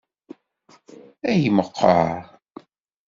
Ay meqqer!